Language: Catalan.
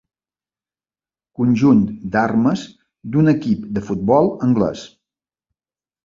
Conjunt d'armes d'un equip de futbol anglès.